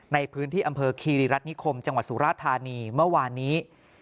ในพื้นที่อำเภอคีรีรัฐนิคมจังหวัดสุราธานีเมื่อวานนี้